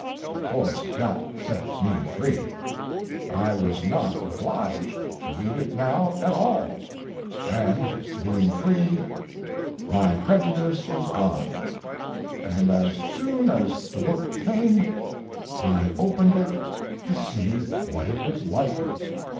Of course that set me free; I was not obliged to read it now at all, and, being free, my prejudice was gone, and as soon as the book came I opened it to see what it was like.